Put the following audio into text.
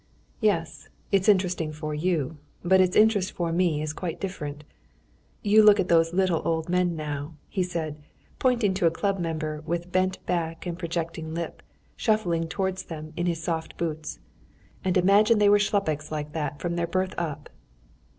"Yes, it's interesting for you. But its interest for me is quite different. You look at those little old men now," he said, pointing to a club member with bent back and projecting lip, shuffling towards them in his soft boots, "and imagine that they were shlupiks like that from their birth up."